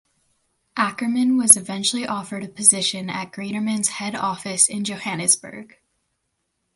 Ackerman was eventually offered a position at Greatermans head office in Johannesburg.